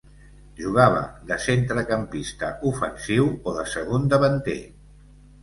Jugava de centrecampista ofensiu o de segon davanter.